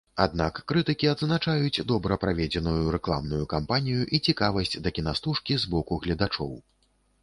Аднак крытыкі адзначаюць добра праведзеную рэкламную кампанію і цікавасць да кінастужкі з боку гледачоў.